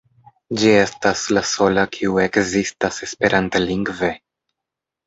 Ĝi estas la sola kiu ekzistas esperantlingve.